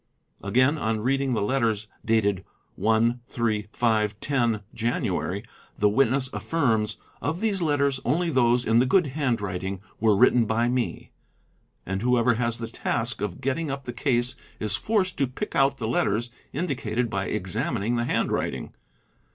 Again on reading the letters 2: dated 1, 3, 5, 10, Jan., the witness affirms, "'of these letters only those in the good handwriting were written by me," and whoever has the task of getting up the case is forced to pick out the letters indicated by exam ining the handwriting.